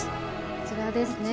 こちらですね。